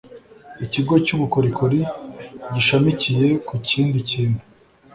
ikigo cy ubukorikori gishamikiye ku kindi kintu